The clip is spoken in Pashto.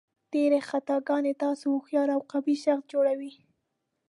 ډېرې خطاګانې تاسو هوښیار او قوي شخص جوړوي.